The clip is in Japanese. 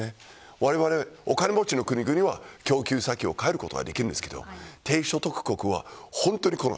われわれ、お金持ちの国々は供給先を変えることができますが低所得国は本当に困る。